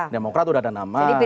demokrat sudah ada nama